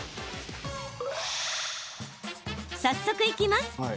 早速いきます。